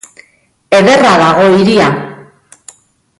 Ederra dago hiria.